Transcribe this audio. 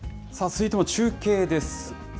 続いても中継です。